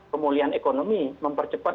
pemulihan ekonomi mempercepat